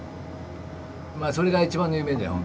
まあそれが一番の夢だよ